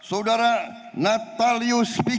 saudara natalius pigai